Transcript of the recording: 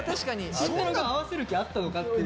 そんな合わせる気あったのかっていう。